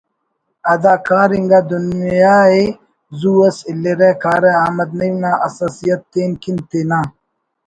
اداکار انگا دُنیا ءِ زو اس اِلرہ کارہ احمد نعیم نا حساسیت تین کن تینا